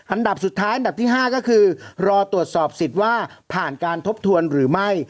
อันดับสุดท้ายอันดับที่๕ก็คือรอตรวจสอบสิทธิ์ว่าผ่านการทบทวนหรือไม่